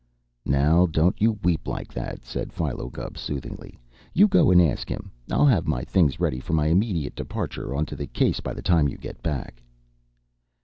"Now, don't you weep like that," said Philo Gubb soothingly. "You go and ask him. I'll have my things ready for my immediate departure onto the case by the time you get back."